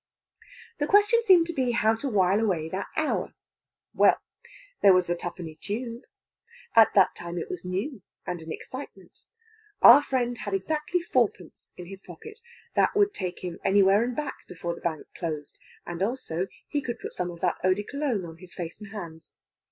The question seemed to be how to while away that hour. Well! there was the Twopenny Tube. At that time it was new, and an excitement. Our friend had exactly fourpence in his pocket. That would take him to anywhere and back before the Bank closed. And also he could put some of that eau de Cologne on his face and hands.